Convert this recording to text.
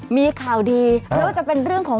มีข่าวดีั้งแต่จะเป็นเรื่องของ